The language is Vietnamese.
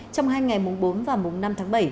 trong hai ngày mùng bốn và mùng năm tháng bảy